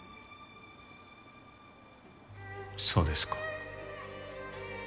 そうですか。